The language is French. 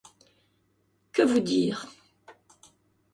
Que vous dire ?